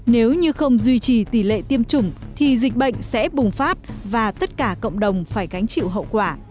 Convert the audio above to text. nếu như không duy trì tỷ lệ tiêm chủng thì dịch bệnh sẽ bùng phát và tất cả cộng đồng phải gánh chịu hậu quả